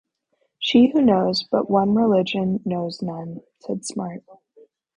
"She who knows but one religion knows none," said Smart.